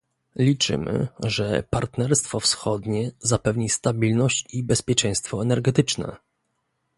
Liczymy, że partnerstwo wschodnie zapewni stabilność i bezpieczeństwo energetyczne